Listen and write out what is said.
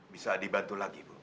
bisa dibantu lagi bu